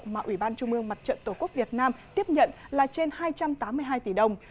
mà ubnd mặt trận tổ quốc việt nam tiếp nhận là trên hai trăm tám mươi hai tỷ đồng